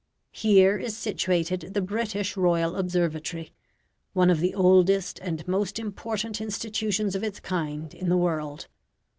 Here is situated the British Royal Observatory, one of the oldest and most important institutions of its kind in the world.